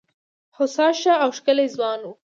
هوسا ښه او ښکلی ځوان وو.